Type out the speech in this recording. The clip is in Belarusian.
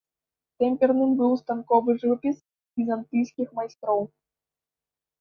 Тэмперным быў станковы жывапіс візантыйскіх майстроў.